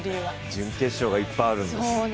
準決勝がいっぱいあるんですよ。